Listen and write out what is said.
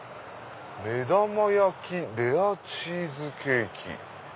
「目玉焼きレアチーズケーキ」。